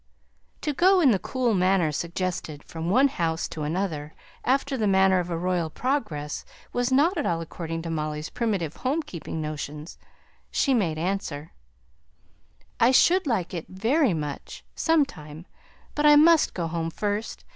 To go in the cool manner suggested from one house to another, after the manner of a royal progress, was not at all according to Molly's primitive home keeping notions. She made answer, "I should like it very much, some time. But I must go home first.